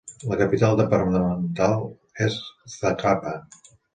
La capital departamental és Zacapa.